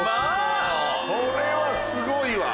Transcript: これはすごいわ。